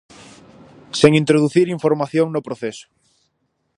Sen introducir información no proceso.